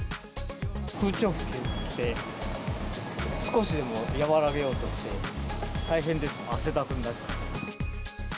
空調機着て、少しでも和らげようとして、大変です、汗だくになっちゃって。